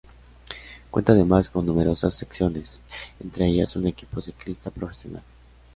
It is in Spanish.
Cuenta además con numerosas secciones, entre ellas un equipo ciclista profesional.